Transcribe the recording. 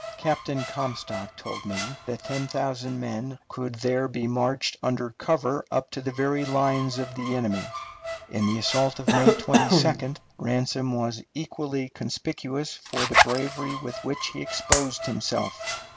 Captain Comstock told me that ten thousand men could there be marched under cover up to the very lines of the enemy. In the assault of May 22d, Ransom was equally conspicuous for the bravery with which he exposed himself.